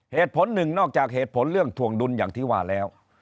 เหตุผลหนึ่งนอกจากเหตุผลเรื่องถวงดุลอย่างที่ว่าแล้ว